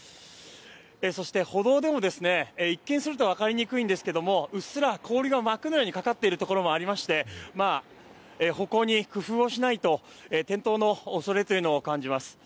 そして、歩道でも一見すると分かりにくいんですがうっすら氷が膜のようにかかっているところもありまして歩行に工夫しないと転倒の恐れを感じます。